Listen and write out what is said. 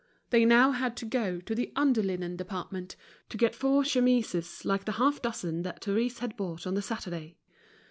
They now had to go to the underlinen department, to get four chemises like the half dozen that Therese had bought on the Saturday.